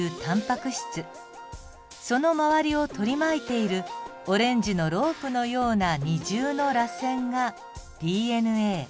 その周りを取り巻いているオレンジのロープのような二重のらせんがＤＮＡ。